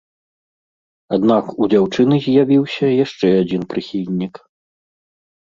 Аднак у дзяўчыны з'явіўся яшчэ адзін прыхільнік.